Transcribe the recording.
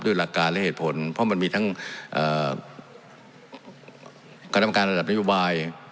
ด้วยหลักการและเหตุผลเพราะมันมีทั้งการตำการระดับนัยยุบาย